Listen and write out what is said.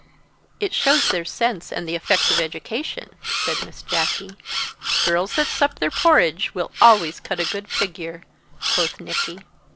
"It shows their sense and the effects of education," said Miss Jacky. "Girls that sup their porridge will always cut a good figure," quoth Nicky.